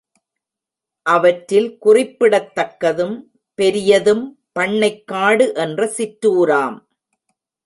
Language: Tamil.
அவற்றில் குறிப்பிடத்தக்கதும், பெரியதும் பண்ணைக்காடு என்ற சிற்றூராம்.